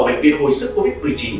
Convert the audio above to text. bệnh viên hồi sức covid một mươi chín